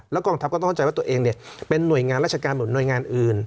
กองทัพก็ต้องเข้าใจว่าตัวเองเป็นหน่วยงานราชการหรือหน่วยงานอื่น